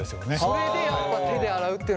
それでやっぱ手で洗うっていうのが。